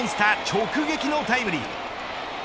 直撃のタイムリー。